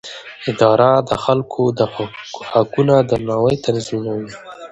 اداره د خلکو د حقونو درناوی تضمینوي.